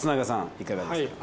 いかがでしたか？